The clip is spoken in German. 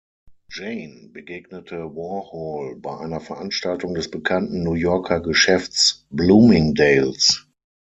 Jane begegnete Warhol bei einer Veranstaltung des bekannten New Yorker Geschäfts Bloomingdale’s.